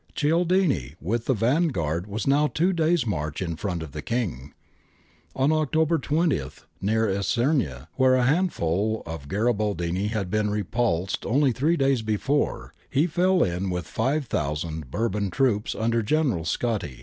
"^ Cialdini with the vanguard was now two days' march in front of the King. On October 20, near Isernia, where a handful of Garibaldini had been repulsed only three days before," he fell in with 5000 Bourbon troops under General Scotti.